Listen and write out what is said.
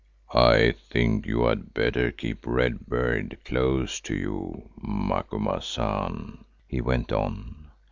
"I think that you had better keep Red Beard close to you, Macumazahn," he went on.